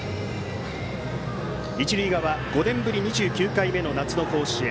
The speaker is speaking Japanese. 一塁側５年ぶり２９回目の夏の甲子園